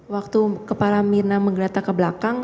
waktu kepala mirna menggeletak ke belakang